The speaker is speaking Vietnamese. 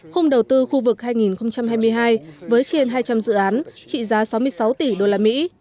khung đầu tư khu vực hai nghìn hai mươi hai với trên hai trăm linh dự án trị giá sáu mươi sáu tỷ đô la mỹ